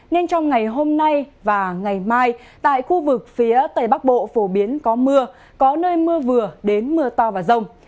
nên trong ngày hôm nay và ngày mai tại khu vực phía tây bắc bộ phổ biến có mưa có nơi mưa vừa đến mưa to và rông